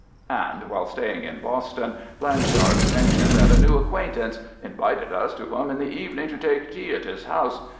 And while staying in Boston, Blanchard mentioned that a new acquaintance "invited us to come in the evening to take tea at his house.